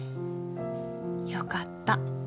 よかった。